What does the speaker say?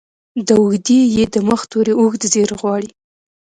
د اوږدې ې د مخه توری اوږدزير غواړي.